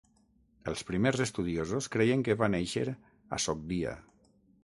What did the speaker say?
Els primers estudiosos creien que va néixer a Sogdia.